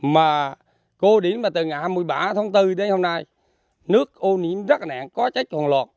mà cô điểm từ ngày hai mươi ba tháng bốn đến hôm nay nước ô nhiễm rất nẹn có trách hoàng loạt